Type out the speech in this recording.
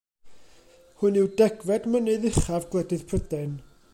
Hwn yw degfed mynydd uchaf gwledydd Prydain.